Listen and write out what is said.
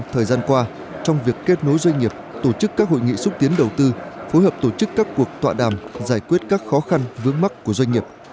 thời gian qua trong việc kết nối doanh nghiệp tổ chức các hội nghị xúc tiến đầu tư phối hợp tổ chức các cuộc tọa đàm giải quyết các khó khăn vướng mắt của doanh nghiệp